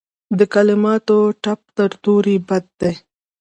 د کلماتو ټپ تر تورې بد دی.